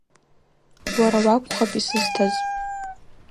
Уара уакәхап исызҭаз.